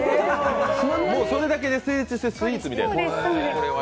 もうそれだけで成立したスイーツみたいな。